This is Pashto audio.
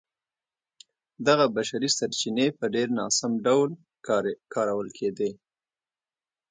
دغه بشري سرچینې په ډېر ناسم ډول کارول کېدې.